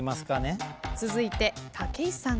続いて武井さん。